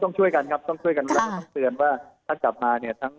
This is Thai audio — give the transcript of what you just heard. ต้องช่วยกันจะต้องเตือนว่าถ้าจากมา